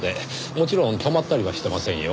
もちろん泊まったりはしてませんよ。